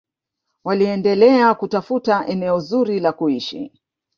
waliendelea kutafuta eneo zuri la kuishi